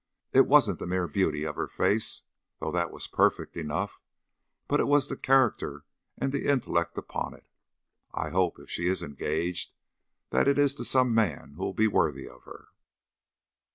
It wasn't the mere beauty of the face though that was perfect enough but it was the character and the intellect upon it. I hope, if she is engaged, that it is to some man who will be worthy of her."